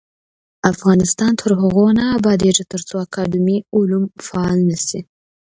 افغانستان تر هغو نه ابادیږي، ترڅو اکاډمي علوم فعاله نشي.